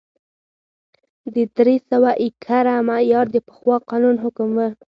د درې سوه ایکره معیار د پخوا قانون حکم و